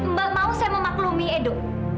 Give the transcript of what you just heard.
mbak mau saya memaklumi edo